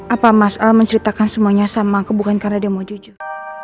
apa mas al menceritakan semuanya sama aku bukan karena dia mau jujur